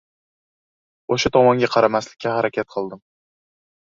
O‘sha tomonga qaramaslikka harakat qildim.